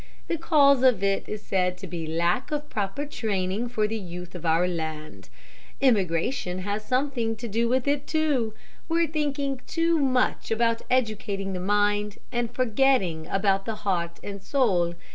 The cause of it is said to be lack of proper training for the youth of our land. Immigration has something to do with it, too. We're thinking too much about educating the mind, and forgetting about the heart and soul.